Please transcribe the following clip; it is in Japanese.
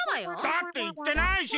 だっていってないし。